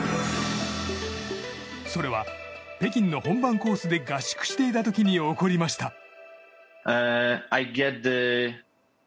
それは北京の本番コースで合宿していた時に起こりました。